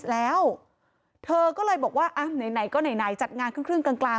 แล้วเธอก็เลยบอกว่าไหนก็ไหนจัดงานครึ่งกลาง